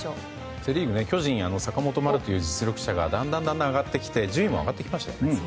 セ・リーグ、巨人は坂本、丸という実力者がだんだん上がってきて順位も上がってきましたね。